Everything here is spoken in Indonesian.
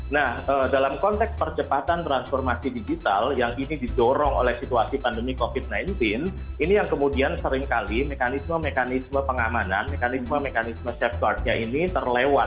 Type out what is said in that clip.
nah dalam konteks percepatan transformasi digital yang ini didorong oleh situasi pandemi covid sembilan belas ini yang kemudian seringkali mekanisme mekanisme pengamanan mekanisme mekanisme safeguardnya ini terlewat